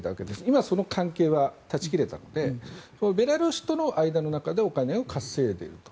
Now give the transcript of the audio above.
今、その関係は断ち切れたのでベラルーシとの間の中でお金を稼いでいると。